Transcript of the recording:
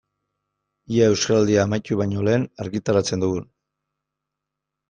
Ea Euskaraldia amaitu baino lehen argitaratzen dugun.